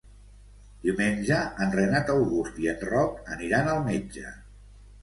Diumenge en Renat August i en Roc aniran al metge.